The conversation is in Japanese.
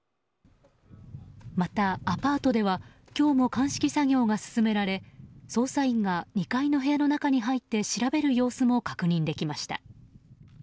また、アパートでは今日も鑑識作業が進められ捜査員が２階の部屋の中に入って調べる様子も確認できました。